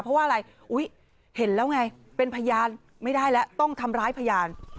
เพราะว่าอะไรอุ๊ยเห็นแล้วไงเป็นพยานไม่ได้แล้วต้องทำร้ายพยาน